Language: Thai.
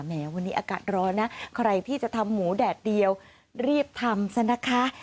แหมวันนี้อากาศร้อนนะใครที่จะทำหมูแดดเดียวรีบทำซะนะคะ